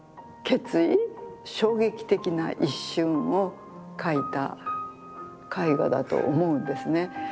衝撃的な一瞬を描いた絵画だと思うんですね。